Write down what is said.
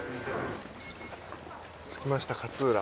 着きました勝浦。